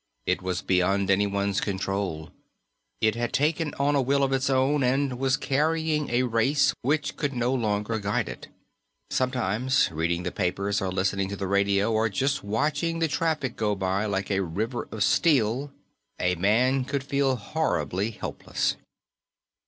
It was beyond anyone's control; it had taken on a will of its own and was carrying a race which could no longer guide it. Sometimes reading the papers, or listening to the radio, or just watching the traffic go by like a river of steel a man could feel horribly helpless.